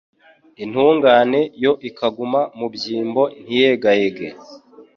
intungane yo ikaguma mu byimbo ntiyegayege